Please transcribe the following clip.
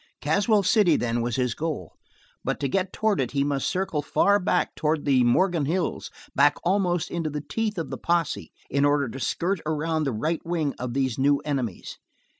Caswell City, then, was his goal, but to get toward it he must circle far back toward the Morgan Hills, back almost into the teeth of the posse in order to skirt around the right wing of these new enemies.